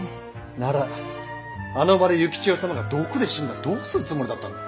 ならあの場で幸千代様が毒で死んだらどうするつもりだったんだ？